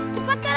aku mau mencari